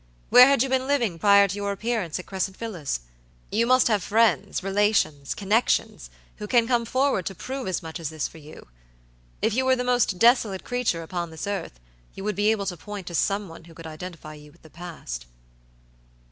Where had you been living prior to your appearance at Crescent Villas? You must have friends, relations, connections, who can come forward to prove as much as this for you? If you were the most desolate creature upon this earth, you would be able to point to someone who could identify you with the past."